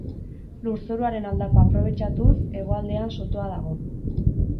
Lurzoruaren aldapa aprobetxatuz, hegoaldean sotoa dago.